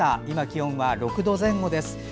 今、気温は６度前後です。